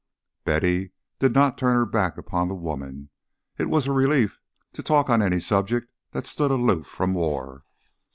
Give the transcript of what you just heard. Betty did not turn her back upon the woman; it was a relief to talk on any subject that stood aloof from war.